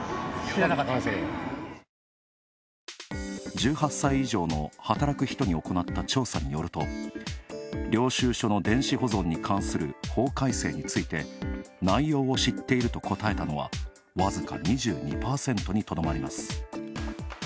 １８歳以上の働く人に行った調査によると領収書の電子保存に関する法改正について、「内容を知っている」と答えたのは僅か２２％にとどまります。